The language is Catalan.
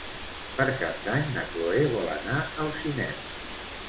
Per Cap d'Any na Chloé vol anar al cinema.